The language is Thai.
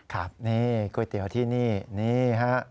ครับนี่ก๋วยเตี๋ยวที่นี่นี่ฮะ